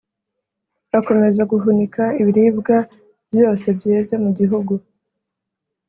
Akomeza guhunika ibiribwa byose byeze mu gihugu